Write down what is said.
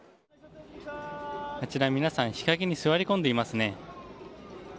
あちら、皆さん日陰に座り込んでいますね。